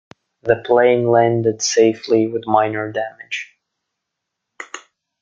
The plane landed safely with minor damage.